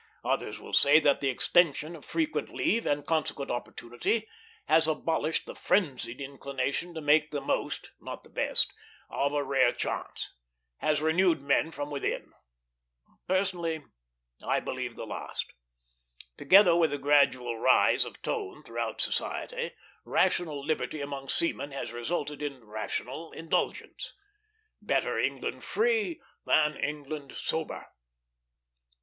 Others will say that the extension of frequent leave, and consequent opportunity, has abolished the frenzied inclination to make the most not the best of a rare chance; has renewed men from within. Personally, I believe the last. Together with the gradual rise of tone throughout society, rational liberty among seamen has resulted in rational indulgence. "Better England free than England sober."